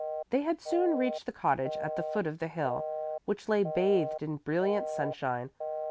They had soon reached the cottage at the foot of the hill, which lay bathed in brilliant sunshine.